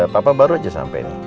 papa baru aja sampai